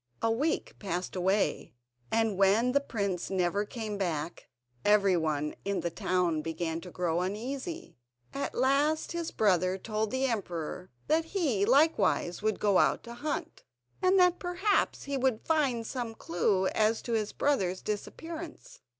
A week passed away, and when the prince never came back everyone in the town began to grow uneasy. At last his next brother told the emperor that he likewise would go out to hunt, and that perhaps he would find some clue as to his brother's disappearance.